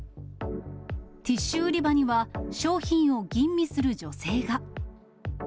ティッシュ売り場には商品を吟味する女性が。